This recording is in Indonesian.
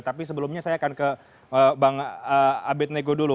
tapi sebelumnya saya akan ke bang abed nego dulu